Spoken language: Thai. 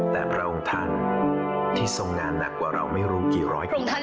แต่พระองค์ท่านที่ทรงงานหนักกว่าเราไม่รู้กี่ร้อยปี